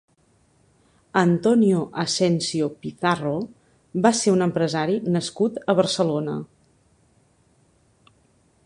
Antonio Asensio Pizarro va ser un empresari nascut a Barcelona.